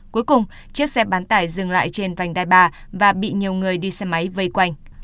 cuối cùng chiếc xe bán tải dừng lại trên vành đai ba và bị nhiều người đi xe máy vây quanh